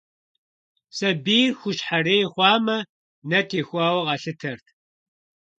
Сабийр хущхьэрей хъуамэ, нэ техуауэ къалъытэрт.